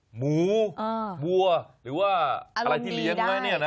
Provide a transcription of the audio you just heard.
หมูวัวหรือว่าอะไรที่เลี้ยงไว้เนี่ยนะ